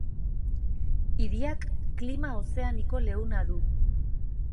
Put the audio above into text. Hiriak klima ozeaniko leuna du.